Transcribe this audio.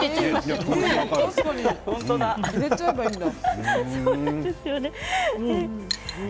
入れちゃえばいいんだ。